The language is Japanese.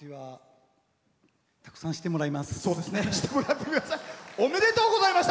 たくさんしてもらいます。